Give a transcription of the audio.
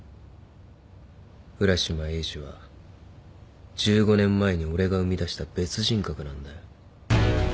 浦島エイジは１５年前に俺が生み出した別人格なんだよ。